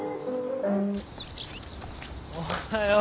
おはよう。